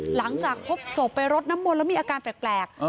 หลังจากพบศพไปรดน้ำมนต์แล้วมีอาการแปลก